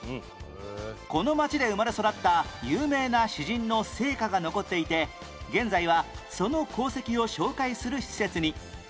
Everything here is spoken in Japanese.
この町で生まれ育った有名な詩人の生家が残っていて現在はその功績を紹介する施設に